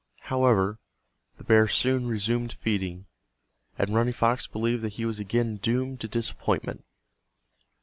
However, the bear soon resumed feeding, and Running Fox believed that he was again doomed to disappointment.